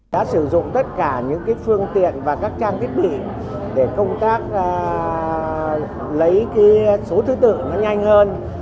đã sử dụng tất cả những phương tiện và các trang thiết bị để công tác lấy số thứ tự nó nhanh hơn